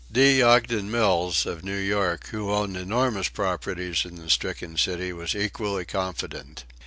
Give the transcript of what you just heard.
D. Ogden Mills, of New York, who owned enormous properties in the stricken city, was equally confident.